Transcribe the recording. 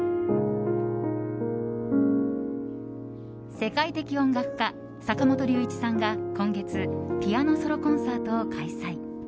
世界的音楽家坂本龍一さんが今月ピアノ・ソロ・コンサートを開催。